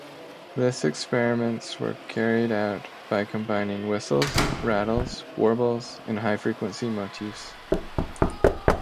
This experiments were carried out by combining whistles, rattles, warbles, and high-frequency motifs.